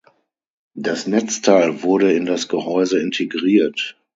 Das Netzteil wurde in das Gehäuse integriert.